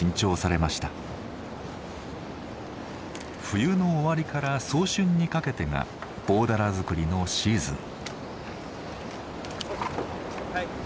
冬の終わりから早春にかけてが棒だら作りのシーズン。